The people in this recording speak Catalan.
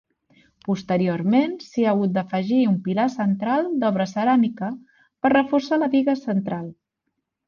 Posteriorment s'hi ha hagut d'afegir un pilar central d'obra ceràmica per reforçar la biga central.